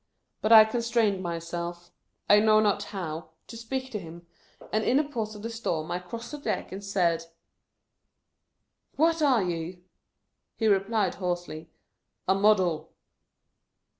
But, I constrained myself — I know not how — to speak to him, and in a pause of the storm, I crossed the deck, and said :" What are you ?" He replied, hoarsely, " A Model."